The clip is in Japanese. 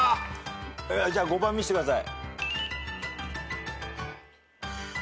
じゃあ５番見してください。